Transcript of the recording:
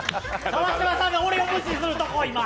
川島さんが俺を無視するとこ！